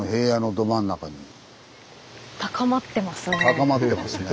高まってますね。